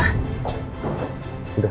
udah panasnya udah turun